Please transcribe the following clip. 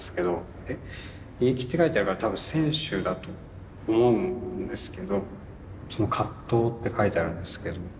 えっ「現役」って書いてあるから多分選手だと思うんですけどその「葛藤」って書いてあるんですけど。